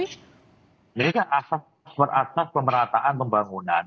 ini kan asas asas pemerataan pembangunan